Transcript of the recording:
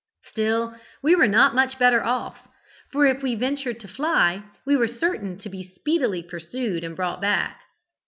"Still we were not much better off, for if we ventured to fly, we were certain to be speedily pursued and brought back.